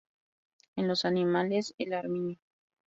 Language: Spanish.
En los animales el armiño.